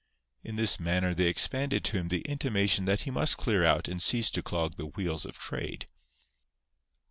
In this manner they expanded to him the intimation that he must clear out and cease to clog the wheels of trade.